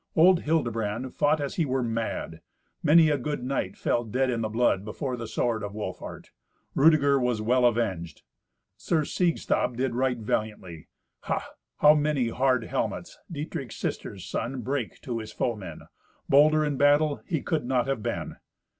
Old Hildebrand fought as he were mad. Many a good knight fell dead in the blood before the sword of Wolfhart. Rudeger was well avenged. Sir Siegstab did right valiantly. Ha! how many hard helmets Dietrich's sister's son brake to his foemen. Bolder in battle he could not have been.